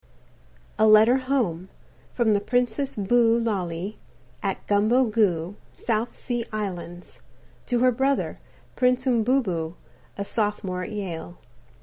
A LETTER FROM HOME _From the Princess Boo Lally, at Gumbo Goo, South Sea Islands, to Her Brother, Prince Umbobo, a Sophomore at Yale.